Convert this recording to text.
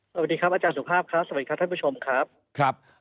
สวัสดีครับอาจารย์สุภาพครับสวัสดีครับท่านผู้ชมครับครับ